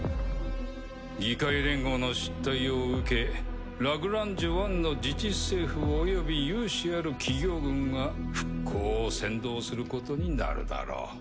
議会連合の失態を受けラグランジュ１の自治政府および有志ある企業群が復興を先導することになるだろう。